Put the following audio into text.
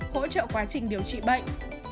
năm hỗ trợ quá trình điều trị bệnh